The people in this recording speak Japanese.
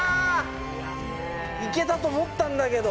行けたと思ったんだけど。